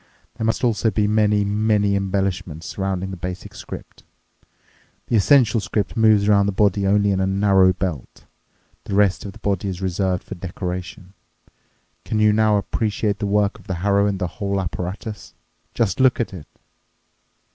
There must also be many, many embellishments surrounding the basic script. The essential script moves around the body only in a narrow belt. The rest of the body is reserved for decoration. Can you now appreciate the work of the harrow and the whole apparatus? Just look at it!"